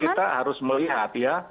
jadi tentu saja kita harus melihat ya